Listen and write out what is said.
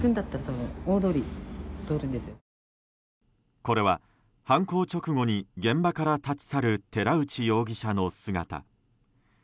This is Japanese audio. これは犯行直後に、現場から立ち去る寺内容疑者の姿。